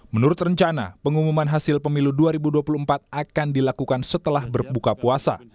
menurut rencana pengumuman hasil pemilu dua ribu dua puluh empat akan dilakukan setelah berbuka puasa